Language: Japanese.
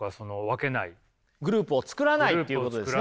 グループを作らないってことですね？